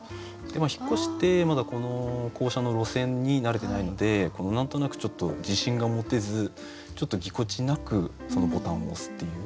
引っ越してまだこの降車の路線に慣れてないのでこの何となくちょっと自信が持てずちょっとぎこちなくそのボタンを押すっていう。